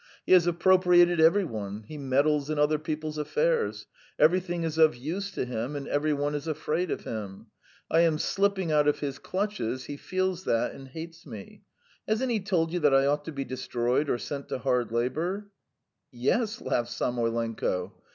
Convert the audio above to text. He has appropriated every one, he meddles in other people's affairs; everything is of use to him, and every one is afraid of him. I am slipping out of his clutches, he feels that and hates me. Hasn't he told you that I ought to be destroyed or sent to hard labour?" "Yes," laughed Samoylenko.